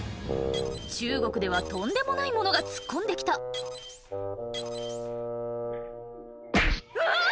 中国ではとんでもないものが突っ込んできたうわ